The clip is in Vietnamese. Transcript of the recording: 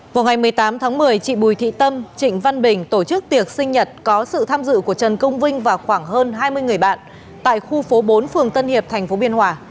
vào ngày một mươi tám tháng một mươi chị bùi thị tâm trịnh văn bình tổ chức tiệc sinh nhật có sự tham dự của trần công vinh và khoảng hơn hai mươi người bạn tại khu phố bốn phường tân hiệp tp biên hòa